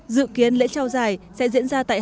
dự kiến lễ trao giải sẽ diễn ra tại